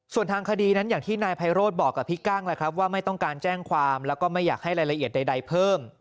ส่วนทางคดีนั้นอย่างที่นายไพโรธบอกกับพี่กั้งแหละครับว่าไม่ต้องการแจ้งความแล้วก็ไม่อยากให้รายละเอียดใดเพิ่ม